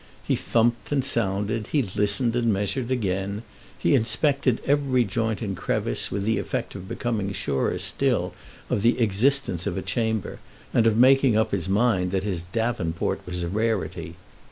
He thumped and sounded, he listened and measured again; he inspected every joint and crevice, with the effect of becoming surer still of the existence of a chamber and of making up his mind that his davenport was a rarity.